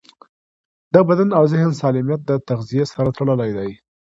د بدن او ذهن سالمیت د تغذیې سره تړلی دی.